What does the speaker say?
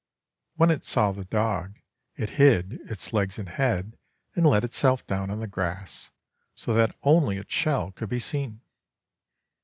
When it saw the dog, it hid its legs and head and let itself down on the grass so that only its shell could be seen.